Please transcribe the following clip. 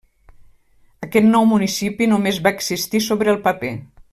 Aquest nou municipi només va existir sobre el paper.